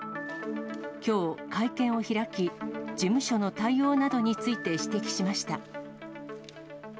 きょう会見を開き、事務所の対応などについて指摘しました。